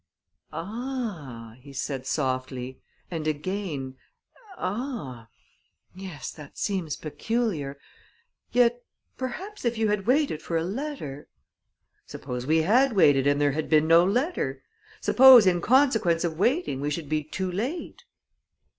"Ah!" he said softly; and again, "Ah! Yes, that seems peculiar. Yet, perhaps, if you had waited for a letter " "Suppose we had waited, and there had been no letter suppose, in consequence of waiting, we should be too late?"